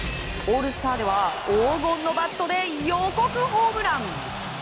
オールスターでは黄金のバットで予告ホームラン。